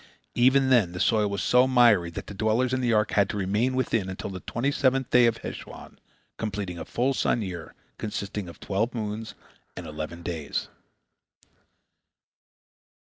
Even then the soil was so miry that the dwellers in the ark had to remain within until the twenty seventh day of Heshwan, completing a full sun year, consisting of twelve moons and eleven days.